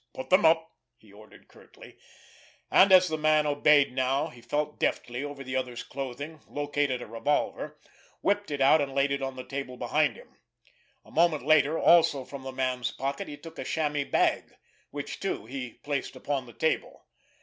"Put them up!" he ordered curtly; and, as the man obeyed now, he felt deftly over the other's clothing, located a revolver, whipped it out, and laid it on the table behind him. A moment later, also from the man's pocket, he took a chamois bag, which, too, he placed upon the table.